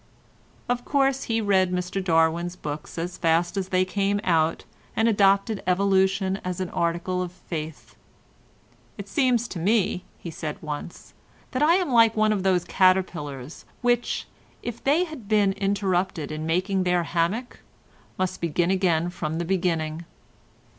Of course he read Mr Darwin's books as fast as they came out and adopted evolution as an article of faith. "It seems to me," he said once, "that I am like one of those caterpillars which, if they have been interrupted in making their hammock, must begin again from the beginning.